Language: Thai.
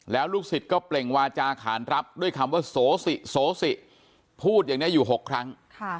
แล้วลูกศิษย์ก็เปล่งวาจาขานรับด้วยคำว่าโสสิพูดอย่างนี้อยู่๖ครั้ง